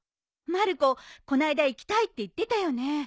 まる子こないだ行きたいって言ってたよね。